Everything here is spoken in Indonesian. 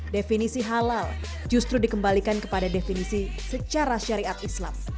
definisi halal justru dikembalikan kepada definisi secara syariat islam